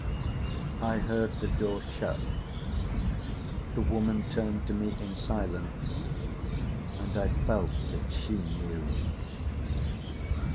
I heard the door shut. The woman turned to me in silence, and I felt that she knew.